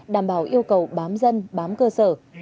đảm bảo yêu cầu bám dân bám cơ sở